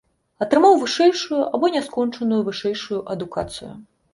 Атрымаў вышэйшую або няскончаную вышэйшую адукацыю.